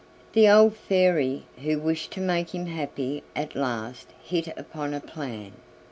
The old Fairy, who wished to make him happy, at last hit upon a plan.